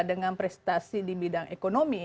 dengan prestasi di bidang ekonomi